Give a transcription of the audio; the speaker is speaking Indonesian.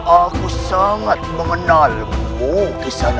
aku sangat mengenalmu di sana